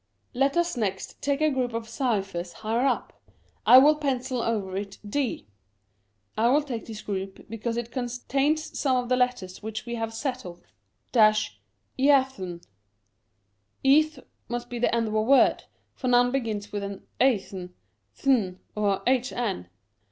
" Let us next take a group of cyphers higher up ; I will pencil over it D. I take this group because it contains some of the letters which we have settled 35 Curiosities of Olden Times — eathn, Eath must be the end of a word, for none begins with athn, thn, or hn.